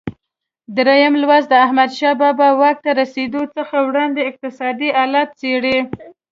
درېم لوست د احمدشاه بابا واک ته رسېدو څخه وړاندې اقتصادي حالت څېړي.